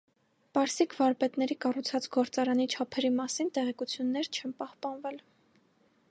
Պարսիկ վարպետների կառուցած գործարանի չափերի մասին տեղեկություններ չեն պահպանվել։